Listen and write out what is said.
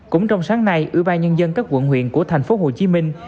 cũng trong sáng nay ủy ban nhân dân các quận huyện của thành phố hồ chí minh